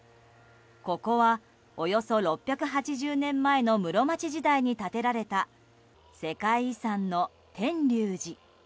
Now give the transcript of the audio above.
ここは、およそ６８０年前の室町時代に建てられた世界遺産の天龍寺。